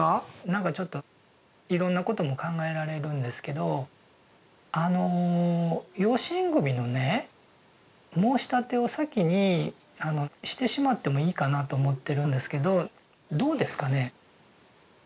なんかちょっといろんなことも考えられるんですけどあの養子縁組のね申立を先にしてしまってもいいかなと思ってるんですけどどうですかね？